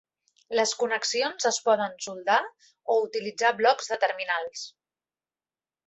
Les connexions es poden soldar o utilitzar blocs de terminals.